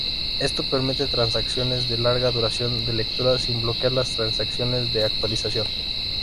Esto permite transacciones de larga duración de lectura sin bloquear las transacciones de actualización.